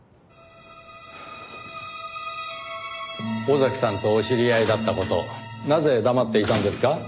尾崎さんとお知り合いだった事なぜ黙っていたんですか？